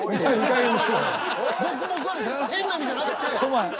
変な意味じゃなくて。